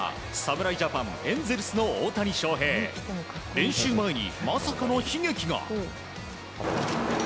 練習前にまさかの悲劇が。